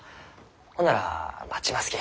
ほんなら待ちますき。